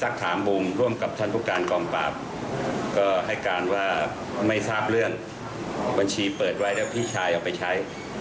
ความว่าไม่ทราบเรื่องบัญชีเปิดไว้แล้วพี่ชายเอาไปใช้